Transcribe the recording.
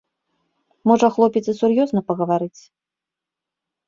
Можа хлопец і сур'ёзна пагаварыць.